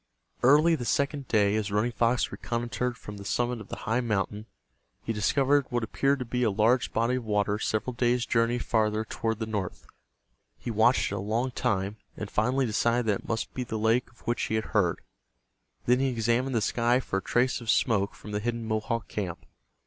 Early the second day, as Running Fox reconnoitered from the summit of a high mountain, he discovered what appeared to be a large body of water several days' journey farther toward the north. He watched it a long time, and finally decided that it must be the lake of which he had heard. Then he examined the sky for a trace of smoke from the hidden Mohawk camp.